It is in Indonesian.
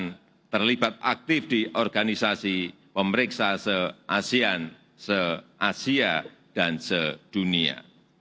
bpk juga terpilih menjadi aktif di organisasi pemeriksa se asian se asia dan se dunia